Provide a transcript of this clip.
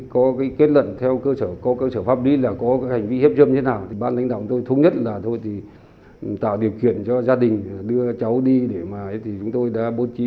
có cái kết luận cháu đã kể lại toàn bộ sự việc cháu đã bị đối tượng phán rụ vào nhà chơi sau đó hắn rụ cháu lên gác xếp để giờ cho đổi bệnh